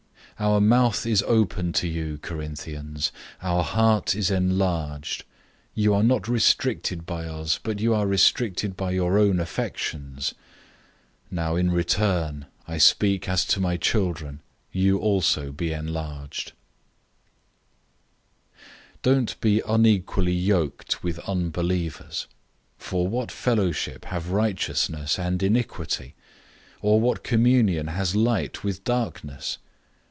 006:011 Our mouth is open to you, Corinthians. Our heart is enlarged. 006:012 You are not restricted by us, but you are restricted by your own affections. 006:013 Now in return, I speak as to my children, you also be open wide. 006:014 Don't be unequally yoked with unbelievers, for what fellowship have righteousness and iniquity? Or what communion has light with darkness?